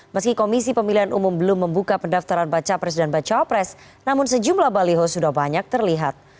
meski komisi pemilihan umum belum membuka pendaftaran baca pres dan bacawa pres namun sejumlah baliho sudah banyak terlihat